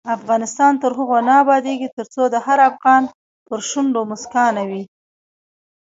افغانستان تر هغو نه ابادیږي، ترڅو د هر افغان پر شونډو مسکا نه وي.